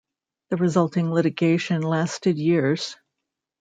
The resulting litigation lasted years.